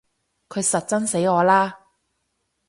佢實憎死我啦！